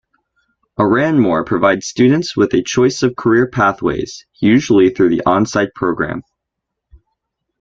Aranmore provides students with a choice of career pathways, usually through the OnSite program.